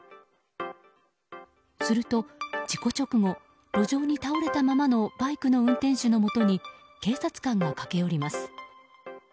すると、事故直後路上に倒れたままのバイクの運転手のもとに警察官が駆け寄ります。